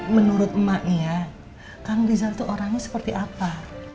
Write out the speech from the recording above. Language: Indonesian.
menurut emak nih ya kakak rizal tuh orangnya seperti apa